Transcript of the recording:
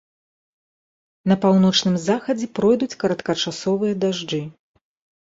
На паўночным захадзе пройдуць кароткачасовыя дажджы.